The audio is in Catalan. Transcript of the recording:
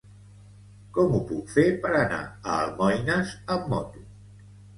Com ho puc fer per anar a Almoines amb moto?